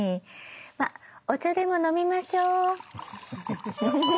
まあお茶でも飲みましょう。